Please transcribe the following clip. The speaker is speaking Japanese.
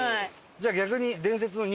じゃあ逆に。